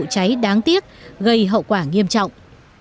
vụ cháy đáng tiếc gây hậu quả nghiêm trọng